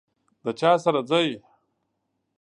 د چا سره ځئ؟